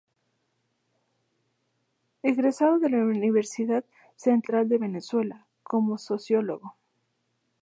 Egresado de la Universidad Central de Venezuela, como sociólogo.